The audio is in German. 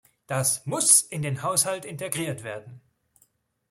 Das muss in den Haushalt integriert werden!